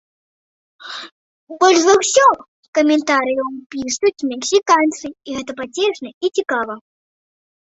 Больш за ўсё каментарыяў пішуць мексіканцы, і гэта пацешна і цікава.